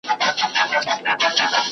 سالمه غذا د ټولنې قوت زیاتوي.